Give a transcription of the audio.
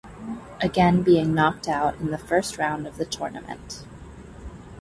Again being knocked out in the first round of the tournament.